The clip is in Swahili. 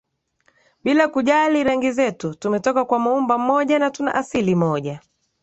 bila kujali rangi zetu tumetoka kwa Muumba mmoja na tuna asili moja